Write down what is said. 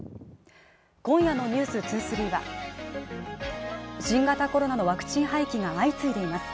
今夜の「ｎｅｗｓ２３」は新型コロナのワクチン廃棄が相次いでいます。